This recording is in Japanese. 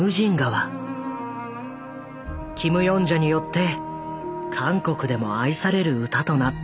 キム・ヨンジャによって韓国でも愛される歌となった。